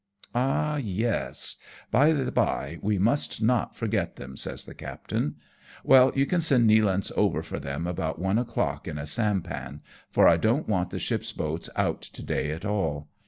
"Ah, yes ! By the bye, we must not forget them," says the captain ;" well, you can send Nealance over for them about one o'clock in a sampan, for I don't want the ship's boats out to day at all.